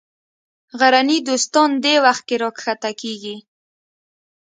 غرني دوستان دې وخت کې راکښته کېږي.